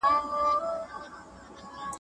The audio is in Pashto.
موږ بايد خپل بدن قوي وساتو.